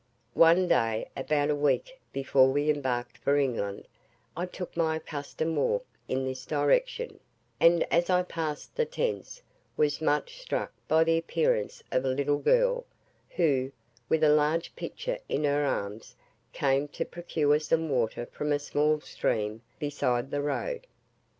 One day, about a week before we embarked for England, I took my accustomed walk in this direction, and as I passed the tents, was much struck by the appearance of a little girl, who, with a large pitcher in her arms, came to procure some water from a small stream beside the road.